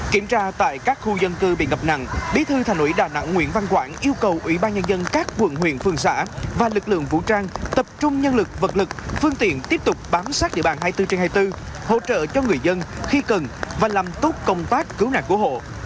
kiểm tra tại các khu dân cư bị ngập nặng bí thư thành ủy đà nẵng nguyễn văn quảng yêu cầu ủy ban nhân dân các quận huyện phường xã và lực lượng vũ trang tập trung nhân lực vật lực phương tiện tiếp tục bám sát địa bàn hai mươi bốn trên hai mươi bốn hỗ trợ cho người dân khi cần và làm tốt công tác cứu nạn của hộ